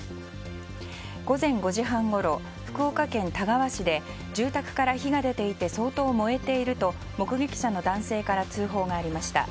午前５時半ごろ、福岡県田川市で住宅から火が出ていて相当燃えていると目撃者の男性から通報がありました。